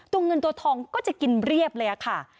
เงินตัวทองก็จะกินเรียบเลยค่ะ